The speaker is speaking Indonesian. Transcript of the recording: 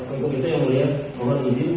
untuk itu yang mulia mohon izin